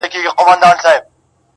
o چي لاس و درېږي، خوله درېږي!